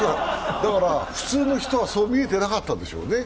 普通の人はそう見えてなかったんでしょうね。